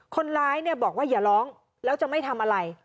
คนร้ายเนี่ยบอกว่าอย่าร้องแล้วจะไม่ทำอะไร